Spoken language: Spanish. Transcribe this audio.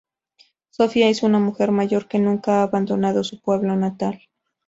Sofía es una mujer mayor que nunca ha abandonado su pueblo natal.